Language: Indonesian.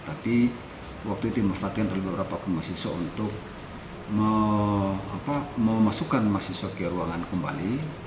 tapi waktu itu dimanfaatkan oleh beberapa mahasiswa untuk memasukkan mahasiswa ke ruangan kembali